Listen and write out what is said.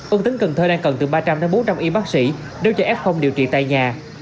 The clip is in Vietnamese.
ông tính cần thơ đang cần từ ba trăm linh bốn trăm linh y bác sĩ nếu cho f điều trị tại nhà